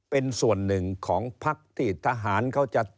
เป็นส่วนหนึ่งของพักที่ทหารเขาจะ